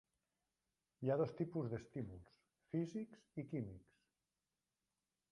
Hi ha dos tipus d'estímuls: físics i químics.